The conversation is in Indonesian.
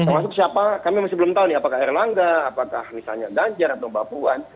maksudnya siapa kami masih belum tahu nih apakah erlangga apakah misalnya danjar atau papuan